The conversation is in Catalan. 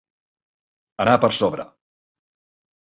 Anar per sobre.